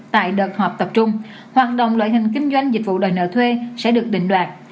tại đợt họp tập trung hoạt động loại hình kinh doanh dịch vụ đòi nợ thuê sẽ được định đoạt